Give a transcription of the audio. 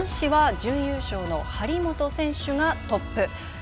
男子は準優勝の張本選手がトップ。